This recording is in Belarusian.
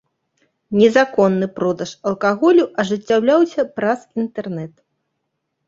Незаконны продаж алкаголю ажыццяўляўся праз інтэрнэт.